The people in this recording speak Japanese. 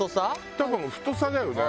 多分太さだよね？